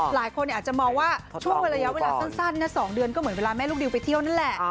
หลายคนอาจจะมองว่าช่วงระยะเวลาสั้น๒เดือนก็เหมือนเวลาแม่ลูกดิวไปเที่ยวนั่นแหละ